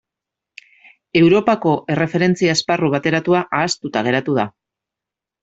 Europako Erreferentzia Esparru Bateratua ahaztuta geratu da.